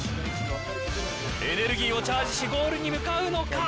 エネルギーをチャージしゴールに向かうのか。